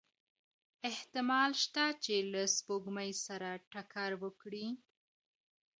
احتمال شته چې له سپوږمۍ سره ټکر وکړي؟